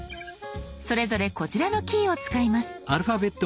それぞれこちらのキーを使います。